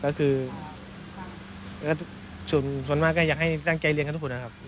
ก็คือส่วนมากก็อยากให้ตั้งใจเรียนกันทุกคนนะครับ